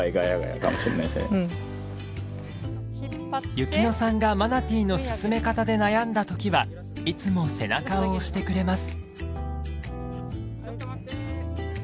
由希乃さんがマナティの進め方で悩んだ時はいつも背中を押してくれます。